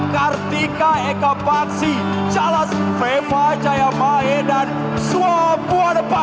kartika eka paksi jalas viva jaya maedan swabuada paksa